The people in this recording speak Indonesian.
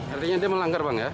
artinya dia melanggar bang